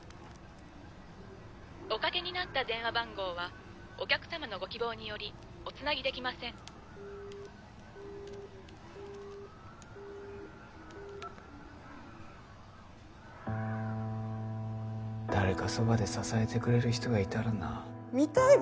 お掛けになった電話番号はお客様のご希望によりおつなぎできませんピッ誰かそばで支えてくれる人見たいべ。